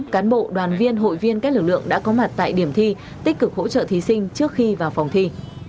cán bộ đoàn viên hội viên các lực lượng đã có mặt tại điểm thi tích cực hỗ trợ thí sinh trước khi vào phòng thi